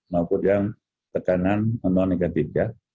maupun yang tekanan non negatif ya